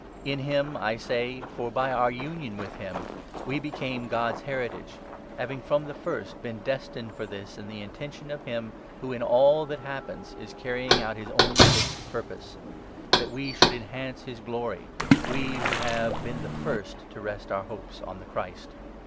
In him, I say, for by u our union with him we became God's Heritage, having from the first been destined for this in the intention of him who, in all that happens, is carrying out his own fixed purpose ; that we should enhance his glory — we who have been the' first 12 to rest our hopes on the Christ.